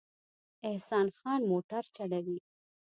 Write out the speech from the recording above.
احسان خان موټر چلوي